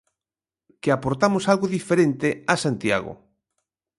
Que aportamos algo diferente á Santiago.